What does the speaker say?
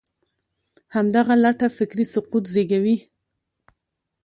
همدغه لټه فکري سقوط زېږوي.